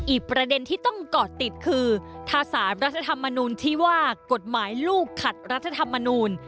อีกประเด็นที่ต้องเกาะติดคือถ้าสารรัฐธรรมนูลที่ว่ากฎหมายลูกขัดรัฐธรรมนูล